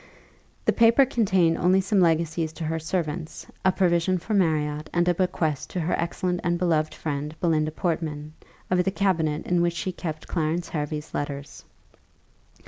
The paper contained only some legacies to her servants, a provision for Marriott, and a bequest to her excellent and beloved friend, Belinda Portman, of the cabinet in which she kept Clarence Hervey's letters.